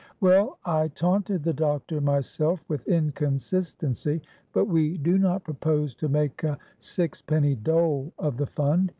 "Well, I taunted the doctor myself with inconsistency, but we do not propose to make a sixpenny dole of the fund.